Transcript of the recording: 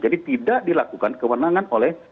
jadi tidak dilakukan kewenangan oleh